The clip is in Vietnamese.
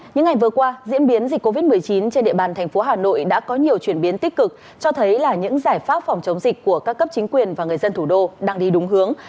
những ngày vừa qua diễn biến dịch covid một mươi chín trên địa bàn thành phố hà nội đã có nhiều chuyển biến tích cực cho thấy là những giải pháp phòng chống dịch của các cấp chính quyền và người dân thủ đô đang đi đúng hướng